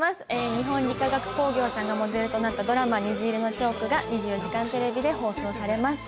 日本理化学工業さんがモデルとなったドラマ『虹色のチョーク』が『２４時間テレビ』で放送されます。